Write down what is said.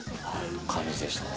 感じでしたね。